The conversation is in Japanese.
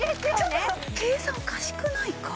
ちょっと計算おかしくないか？